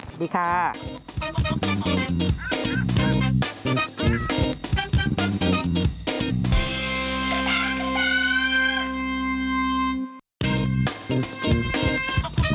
สวัสดีค่ะ